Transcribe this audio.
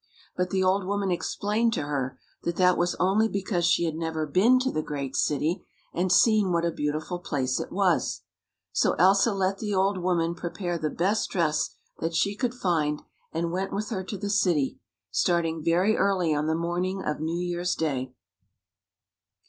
But the old woman explained to her that that was only because she had never been to the great city and seen what a beautiful place it was. So Elsa let the old woman prepare the best dress that she could find, and went with her to the city, starting very early on the morning of New Year's Day.